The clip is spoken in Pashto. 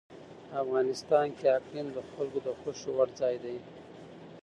افغانستان کې اقلیم د خلکو د خوښې وړ ځای دی.